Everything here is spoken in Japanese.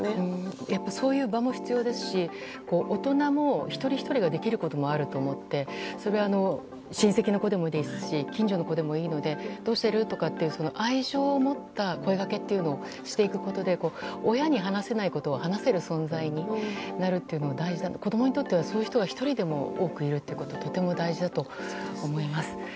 やっぱりそういう場も必要ですし大人も一人ひとりができることもあると思ってそれは、親戚の子でもいいですし近所の子でもいいのでどうしてる？とか愛情を持った声掛けというのをしていくことで親に話せないことを話せる存在になるというのが大事、子供にとってはそういう人が１人でも多くいるということがとても大事だと思います。